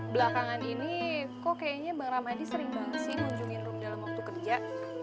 belakangan ini kok kayaknya bang ramadi sering banget sih ngunjungin room dalam waktu kerja